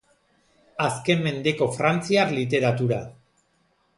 Azken mendeko frantziar literatura.